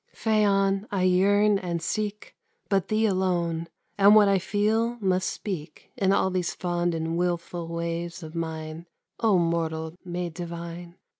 Phaon, I yearn and seek But thee alone; and what I feel must speak In all these fond and wilful ways of mine, O mortal, made divine!